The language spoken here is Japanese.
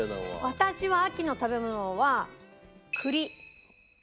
私は秋の食べ物は。